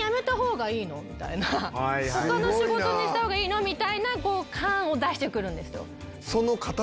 他の仕事にした方がいいの？みたいな感を出してくるんです。